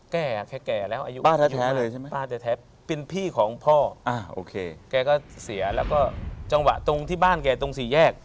แก่แก่แก่แล้วป้าแท้แท้เลยใช่ไหมป้าแท้แท้เป็นพี่ของพ่อแก่ก็เสียแล้วก็จังหวะตรงที่บ้านแก่ตรงสี่แยก